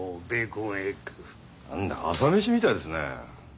何だか朝飯みたいですねえ。